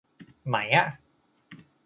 ไหมอะ